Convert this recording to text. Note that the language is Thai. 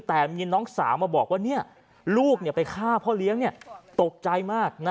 แต่มีน้องสาวมาบอกว่าลูกไปฆ่าพ่อเลี้ยงตกใจมาก